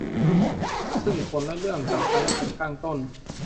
ซึ่งคนและเรื่องกับภารกิจข้างต้น